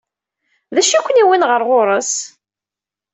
D acu i ken-yewwin ɣer ɣur-s?